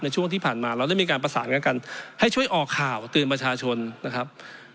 ช่วงที่ผ่านมาเราได้มีการประสานกันกันให้ช่วยออกข่าวเตือนประชาชนนะครับ